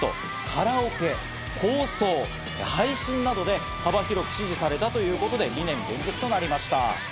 カラオケ、放送、配信などで幅広く支持されたということで、２年連続となりました。